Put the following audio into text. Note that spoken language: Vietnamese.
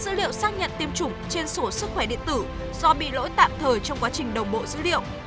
dữ liệu xác nhận tiêm chủng trên sổ sức khỏe điện tử do bị lỗi tạm thời trong quá trình đồng bộ dữ liệu